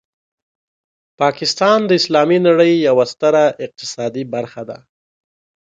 پاکستان د اسلامي نړۍ یوه ستره اقتصادي برخه ده.